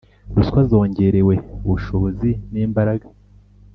Ruswa zongererwe ubushobozi n imbaraga